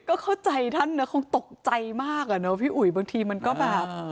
เข้าใจท่านคงตกใจมากพี่อุ๋ยบางทีมันก็แบบ